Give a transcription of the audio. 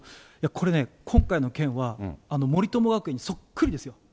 これね、今回の件は、森友学園にそっくりですよ。